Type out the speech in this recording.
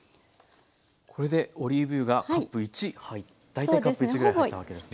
これでオリーブ油がカップ１大体カップ１ぐらい入ったわけですね。